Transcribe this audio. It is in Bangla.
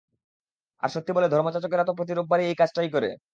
আর সত্যি বললে, ধর্মযাচকেরা তো প্রতি রোববারে এই কাজটাই করে।